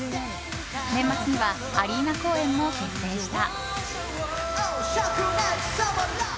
年末にはアリーナ公演も決定した。